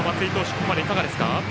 ここまでいかがですか？